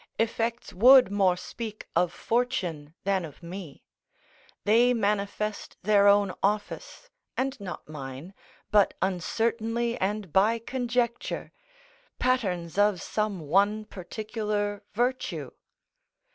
Effects would more speak of fortune than of me; they manifest their own office and not mine, but uncertainly and by conjecture; patterns of some one particular virtue.